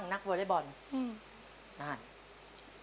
มีนักวัลเล่บอลในดวงใจไหม